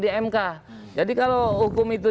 di mk jadi kalau hukum itu